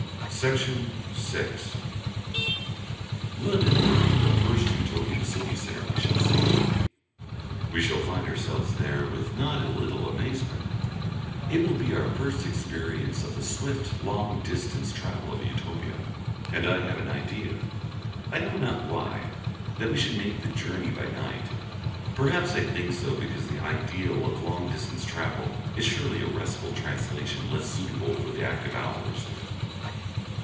Section 6 London will be the first Utopian city centre we shall see. We shall find ourselves there with not a little amazement. It will be our first experience of the swift long distance travel of Utopia, and I have an idea I know not why that we should make the journey by night. Perhaps I think so because the ideal of long distance travel is surely a restful translation less suitable for the active hours.